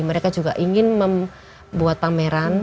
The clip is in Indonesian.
mereka juga ingin membuat pameran